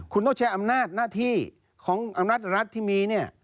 คุณต้องใช้อำนาจหน้าที่ของอำนาจรัฐที่มีเนี่ย